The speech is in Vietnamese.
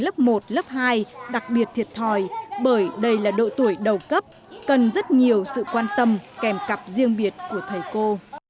lớp một lớp hai đặc biệt thiệt thòi bởi đây là độ tuổi đầu cấp cần rất nhiều sự quan tâm kèm cặp riêng biệt của thầy cô